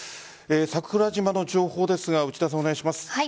桜島の情報ですが内田さん、お願いします。